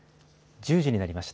１０時になりました。